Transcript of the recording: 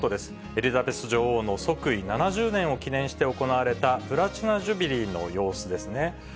エリザベス女王の即位７０年を記念して行われた、プラチナ・ジュビリーの様子ですね。